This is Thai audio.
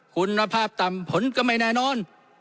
คุณภาพต่ำผลก็ไม่แน่นอน